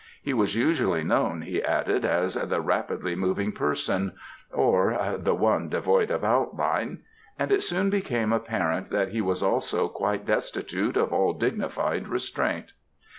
He was usually known, he added, as "the rapidly moving person," or "the one devoid of outline," and it soon became apparent that he was also quite destitute of all dignified restraint.